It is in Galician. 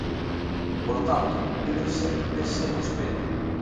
Polo tanto, mírense nese espello.